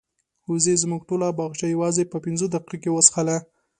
وزې زموږ ټوله باغچه یوازې په پنځو دقیقو کې وڅښله.